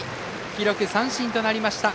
記録、三振となりました。